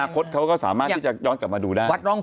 เขาก็จะรู้เลยว่าภาพศิษย์ตังค์